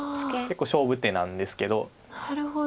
結構勝負手なんですけど。